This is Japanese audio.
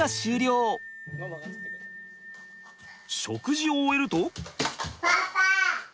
食事を終えると。